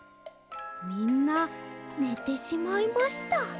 みんなねてしまいました。